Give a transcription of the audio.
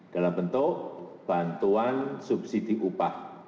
dalam bentuk bantuan subsidi upah